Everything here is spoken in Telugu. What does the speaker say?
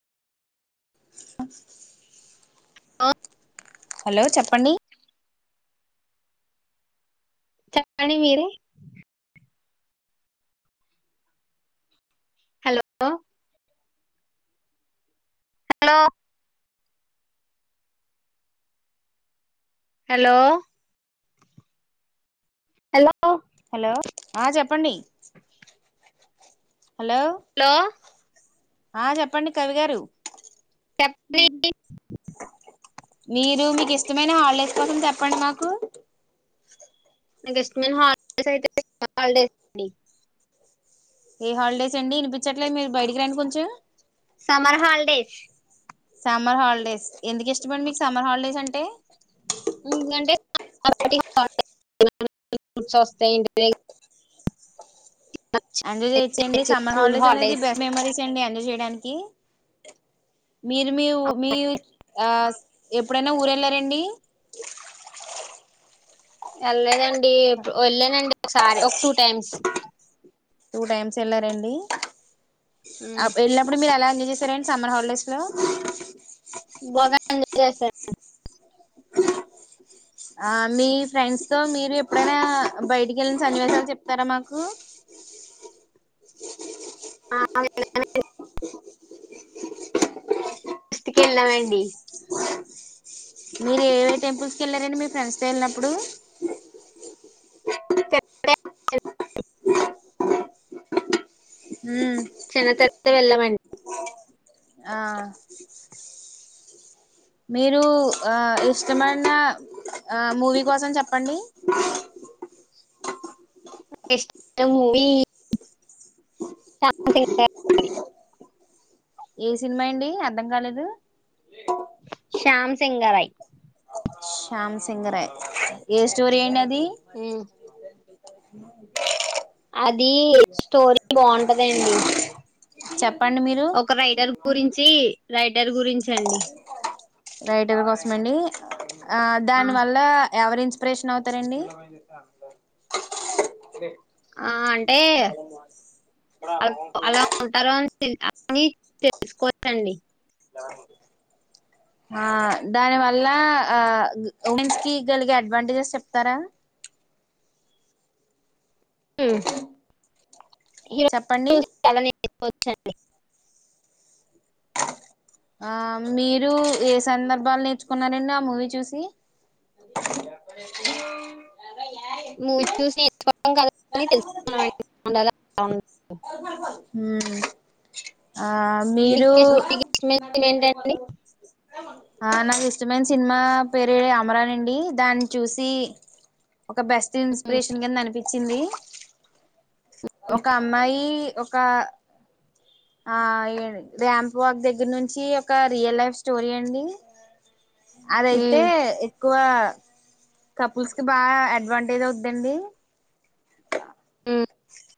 స ఓ హలో చెప్పండి చెప్పండి మీరే hello hello hello hello hello ఆ చెప్పండి హలో హలో ఆ చెప్పండి కవి గారు చెప్ లీ మీరు మీకు ఇష్టమైన హాలిడేస్ కోసం చెప్పండి మాకు మీకు ఇష్టమైన హాలిడేస్ అయితే హాలిడేస్ ఏ హాలిడేస్ అండి వినిపించట్లేదు మీరు బయటికి రండి కొంచెం సమర్ హాలిడేస్ సమ్మర్ హాలిడేస్ ఎందుకు ఇష్టమండి సమ్మర్ హాలిడేస్ అంటే [unintelligible] ఇంటి అండి తెచ్చేయండి సమ్మర్ హాలిడేస్ అనేది బెస్ట్ మెమరీస్ అండి అన్నీ చేయడానికి మీరు మీ ఊ మీర్ ఆ ఎప్పుడైనా ఊరెళ్ళారండి. ఎళ్లేదండిఎప్పుడ్ వెళ్ళానండి ఒకసారి ఒక టూ టైమ్స్. టూ టైమ్స్ వెళ్ళారండి అప్ ఎలప్పుడు మీరు అలా ఏం చేసారండి సమ్మర్ హాలిడేస్ లో బోగ [unintelligible] చేస్తాడు. ఆ మీ ఫ్రెండ్స్ తో మీరు ఎప్పుడైనా బయటికి వెళ్ళిన సన్నివేశాలు చెప్తారా మాకు ఆకి ఎ వడి [unintelligible] మీరు ఏ ఏ టెంపుల్స్ కి వెళ్ళారండి మీ ఫ్రెండ్స్ తో వెళ్ళినప్పుడు ఉమ్ తిన్న తర్వాత వెళ్లమండి. ఆ మీరు ఆ ఇష్టమైన అ మూవీ కోసం చెప్పండి. ఇష్ట మూవీ చెప్ [unintelligible] ఏ సినిమా యండి అర్థం కాలేదు. శ్యామ్ సింగరై శ్యామ్ సింగరై ఏ స్టోరీ అండి అది ఉమ్ [inaudible] అదీ స్టోరీ బాగుంటదండి చెప్పండి మీరు ఒక రైటర్ గురించి రైటర్ గురించండి రైటర్ కోసం అండి ఆ దాని వల్ల ఎవరించి ఇంప్రేషన్ అవుతారండి ఆ అంటే అలా ఉంటారు అని అవి తెలుసుకోచ్చండి ఆ దాని వల్ల ఆ ఉమెన్స్ కి గలిగే అడ్వాంటేజెస్ చెప్తారా? ఉ చెప్పండి [unintelligible] వచ్చండి ఆ మీరు ఏ సందర్భాలు నేర్చుకున్నారండి ఆ మూవీ చూసి మూవి చూసి ఏం అర్థంకాలేదని తెలుసుకున్నాం [unintelligible] అందాగ అవున్ సాల్ సాల్స్ సాల్ ఉమ్మ్ మీకే మీకు ఇష్టమైనది ఏంటండీ ఆ నాకు ఇష్టమైన సినిమా పేరే అమరాన్ అండి దాన్ని చూసి ఒక బెస్ట్ ఉమ్. ఇస్పిేషన్ గన్ అనిపి చ్చింది అమ్మాయి ఒక ఆ ర్యాంప్ వాక్ దగ్గర నుంచి ఒక రియల్ లైఫ్ స్టోరీ అండి అదైతే ఉమ్. ఎక్కువ కపుల్స్ కి బాగా అడ్వాంటేజ్వుద్దండి ఉమ్. ఆ